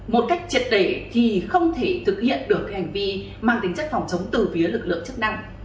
một cách triệt để thì không thể thực hiện được hành vi mang tính chất phòng chống từ phía lực lượng chức năng